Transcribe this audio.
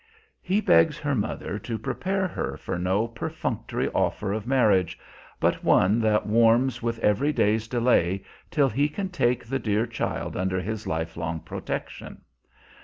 He begs her mother to prepare her for no perfunctory offer of marriage, but one that warms with every day's delay till he can take the dear child under his lifelong protection.